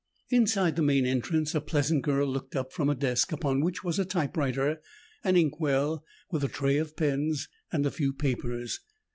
Inside the main entrance, a pleasant girl looked up from a desk upon which was a typewriter, an inkwell with a tray of pens and a few papers.